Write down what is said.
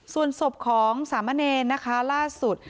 ส่วนศพของสามะเนรนะคะล่าสุด